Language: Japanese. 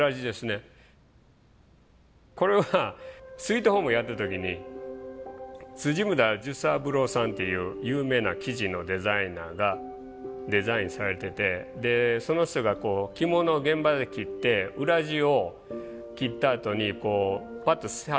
これは「スウィートホーム」やってる時に村寿三郎さんっていう有名な生地のデザイナーがデザインされててその人がこう着物を現場で切って裏地を切ったあとにこうぱっと捨てはったんですね